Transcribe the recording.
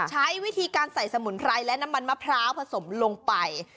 ใช้วิธีการใส่สมุนไพรและน้ำมันมะพร้าวผสมลงไป